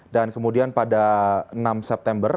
dan kemudian pada enam september